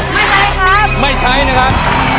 ใช่ไม่ใช่ครับ